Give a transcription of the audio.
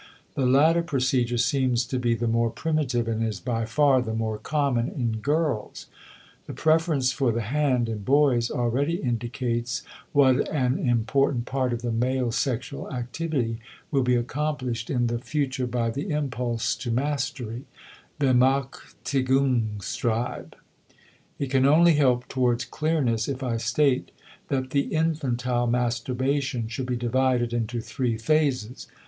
The latter procedure seems to be the more primitive and is by far the more common in girls. The preference for the hand in boys already indicates what an important part of the male sexual activity will be accomplished in the future by the impulse to mastery (Bemächtigungstrieb). It can only help towards clearness if I state that the infantile masturbation should be divided into three phases.